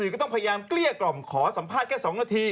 ก็ต้องพยายามเกลี้ยกล่อมขอสัมภาษณ์แค่๒นาที